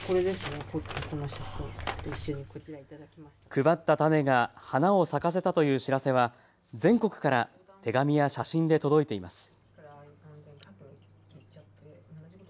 配った種が花を咲かせたという知らせは全国から手紙や写真で届いています。